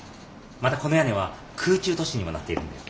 またこの屋根は空中都市にもなっているんだよ。